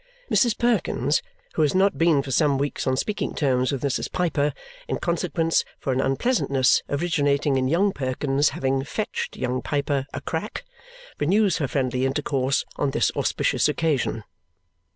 Mrs. Perkins, who has not been for some weeks on speaking terms with Mrs. Piper in consequence for an unpleasantness originating in young Perkins' having "fetched" young Piper "a crack," renews her friendly intercourse on this auspicious occasion.